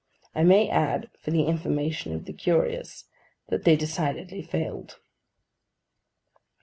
I may add, for the information of the curious, that they decidedly failed.